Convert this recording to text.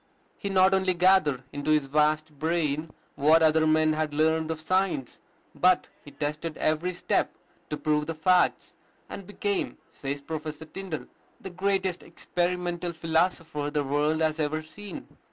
He not only gathered into his vast brain what other men had learned of science, but he tested every step to prove the facts, and became, says Professor Tyndall, "the greatest experimental philosopher the world has ever seen."